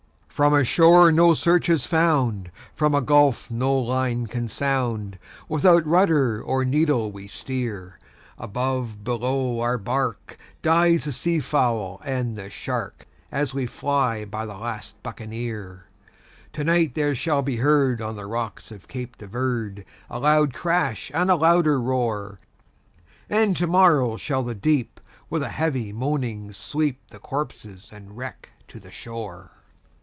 "From a shore no search hath found, from a gulf no line can sound, Without rudder or needle we steer; Above, below, our bark, dies the sea fowl and the shark, As we fly by the last Buccaneer. "To night there shall be heard on the rocks of Cape de Verde, A loud crash, and a louder roar; And to morrow shall the deep, with a heavy moaning, sweep The corpses and wreck to the shore."